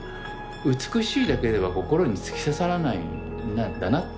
美しいだけでは心に突き刺さらないんだなって